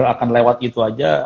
karena dipikir akan lewat gitu aja